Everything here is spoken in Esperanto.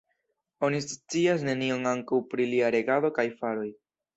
Oni scias nenion ankaŭ pri lia regado kaj faroj.